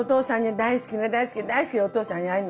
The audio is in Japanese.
大好きな大好きな大好きなお父さんに会えるの。